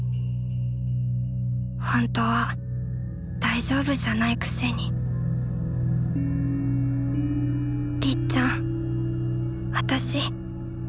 ほんとは大丈夫じゃないくせにりっちゃん私